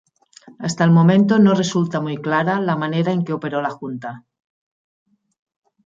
Hasta el momento no resulta muy clara la manera en que operó la Junta.